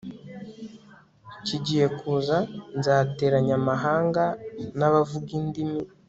kigiye kuza nzateranya amahanga n abavuga indimi